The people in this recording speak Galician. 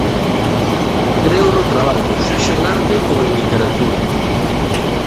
Creo no traballo, sexa en arte ou en literatura.